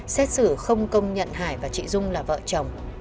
xét xử không công nhận hải và chị dung là vợ chồng